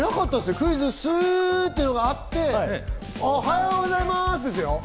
「クイズッス」っていうのがあって、おはようございますですよ。